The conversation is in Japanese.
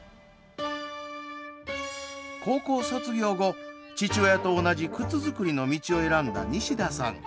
高校卒業後父親と同じ靴作りの道を選んだ西田さん。